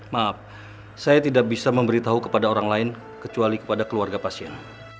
maaf saya tidak bisa memberitahu kepada orang lain kecuali kepada keluarga pasien